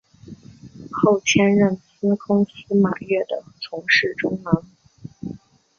后迁任司空司马越的从事中郎。